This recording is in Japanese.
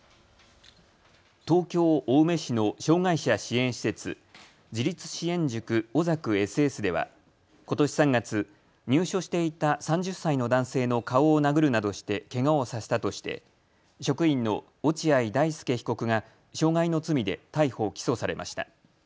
東京青梅市の障害者支援施設、自立支援塾おざくＳＳではことし３月、入所していた３０歳の男性の顔を殴るなどしてけがをさせたとして職員の落合大丞被告が傷害の罪で逮捕・起訴されました。